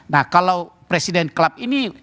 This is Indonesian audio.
nah kalau presiden club ini